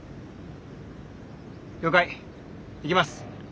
了解行きます。